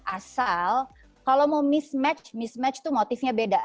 asal kalau mau mismatch mismatch itu motifnya beda